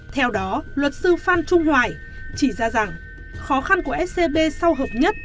theo đó luật sư phan trung hoài chỉ ra rằng khó khăn của scb sau hợp nhất